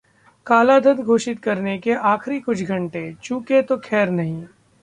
कालाधन घोषित करने के आखिरी कुछ घंटे, चूके तो खैर नहीं